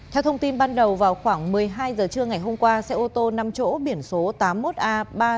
theo thông tin ban đầu vào khoảng một mươi hai giờ trưa ngày hôm qua xe ô tô nằm chỗ biển số tám mươi một a ba mươi sáu nghìn năm mươi sáu